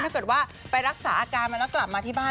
ถ้าเกิดว่าไปรักษาอาการมาแล้วกลับมาที่บ้าน